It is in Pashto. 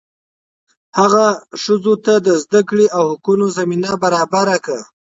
هغه ښځو ته د زده کړې او حقونو زمینه برابره کړه.